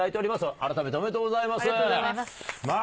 改めておめでとうございます。